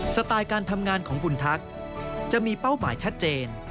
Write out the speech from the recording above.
สไตล์การทำงานของบุญทักษ์จะมีเป้าหมายชัดเจน